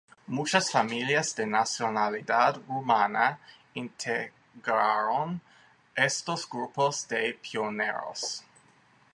Muchas familias de nacionalidad rumana integraron estos grupos de pioneros.